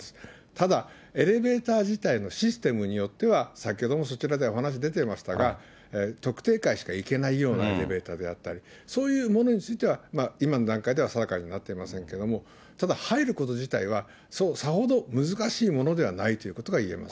ただ、エレベーター自体のシステムによっては、先ほどもそちらでお話出ていましたが、特定階しか行けないようなエレベーターであったり、そういうものについては、今の段階では定かにはなっていませんけれども、ただ、入ること自体は、そう、さほど難しいものではないということがいえます。